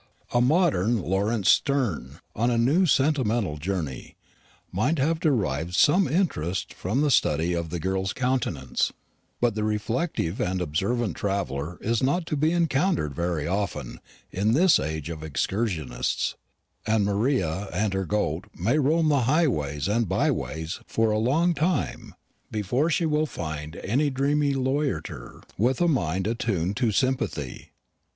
A modern Laurence Sterne, on a new Sentimental Journey, might have derived some interest from the study of the girl's countenance; but the reflective and observant traveller is not to be encountered very often in this age of excursionists; and Maria and her goat may roam the highways and byways for a long time before she will find any dreamy loiterer with a mind attuned to sympathy.